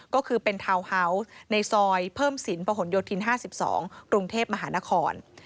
ก็คือเป็นทาวน์ฮาวส์ในซอยเพิ่มสินประหลโยธิน๕๒กรุงเทพมหานคร